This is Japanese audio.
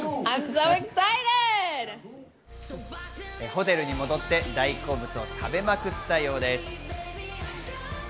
ホテルに戻って大好物を食べまくったようです。